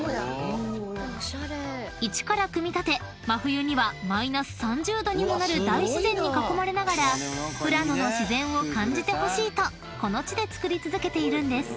［一から組み立て真冬にはマイナス３０℃にもなる大自然に囲まれながら富良野の自然を感じてほしいとこの地で作り続けているんです］